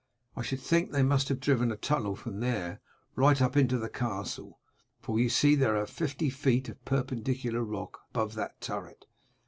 I should think they must have driven a tunnel from there right up into the castle, for you see there are fifty feet of perpendicular rock above that turret.